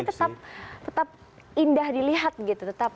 itu tetap indah dilihat gitu